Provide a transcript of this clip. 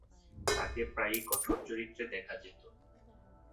তাকে প্রায়ই কঠোর চরিত্রে দেখা যেত।